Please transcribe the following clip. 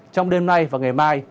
trong đêm nay và ngày mai